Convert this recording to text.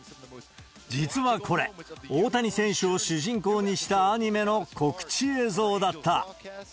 実はこれ、大谷選手を主人公にしたアニメの告知映像だった。